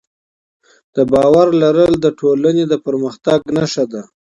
د باور لرل د ټولنې د پرمختګ نښه ده.